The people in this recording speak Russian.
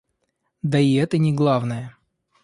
Да и это не главное.